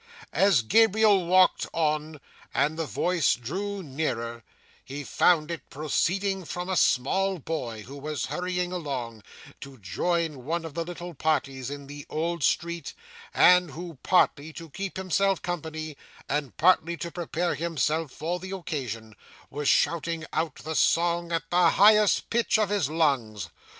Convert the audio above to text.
As Gabriel walked on, and the voice drew nearer, he found it proceeded from a small boy, who was hurrying along, to join one of the little parties in the old street, and who, partly to keep himself company, and partly to prepare himself for the occasion, was shouting out the song at the highest pitch of his lungs.